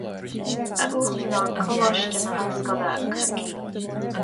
A Uachtaráin Coláiste na hOllscoile Corcaigh